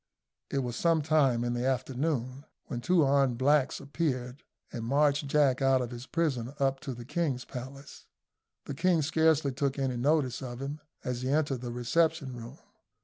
It was sometime in the afternoon when two armed blacks appeared, and marched Jack out of his prison up to the king's palace. The king scarcely took any notice of him as he entered the reception room.